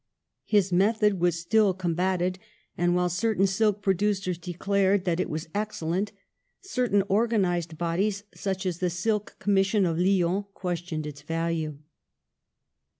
His method was still com batted, and, while certain silk producers de clared that it was excellent, certain organised bodies such as the Silk Commission of Lyons questioned its value.